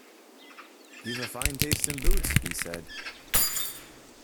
“You’ve a fine taste in boots,” he said.